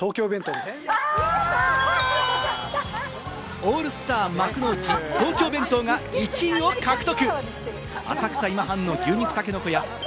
オールスター幕の内・東京弁当が１位を獲得。